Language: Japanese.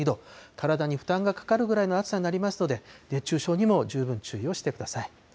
体に負担がかかるぐらいの暑さになりますので、熱中症にも十分注意をしてください。